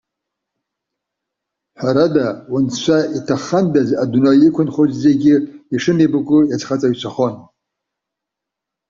Ҳәарада, унцәа иҭаххандаз, адунеи иқәынхоз зегьы ишынеибакәу иазхаҵаҩцәахон.